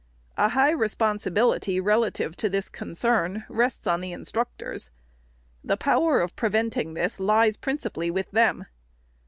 A high responsibility rel ative to this concern rests on the instructors. The power of preventing this lies principally with them.